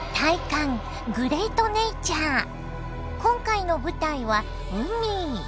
今回の舞台は海。